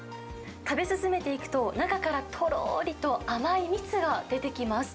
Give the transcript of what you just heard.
食べ進めていくと、中からとろーりと、甘い蜜が出てきます。